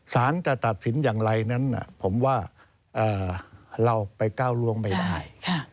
สารจะตัดสินอย่างไรนั้นผมว่าเราไปก้าวล่วงไม่ได้